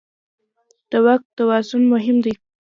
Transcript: د واک توازن مهم دی.